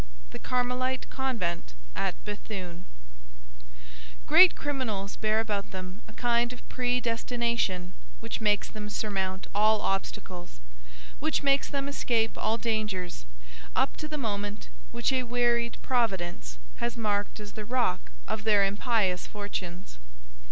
THE CARMELITE CONVENT AT BÉTHUNE Great criminals bear about them a kind of predestination which makes them surmount all obstacles, which makes them escape all dangers, up to the moment which a wearied Providence has marked as the rock of their impious fortunes.